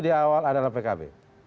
di awal adalah pkb